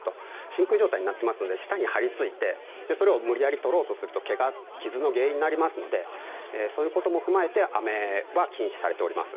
真空状態になっておりますので舌に張り付いてそれを無理やり取ろうとすると傷の原因になりますのでそういうことも踏まえてあめは禁止されております。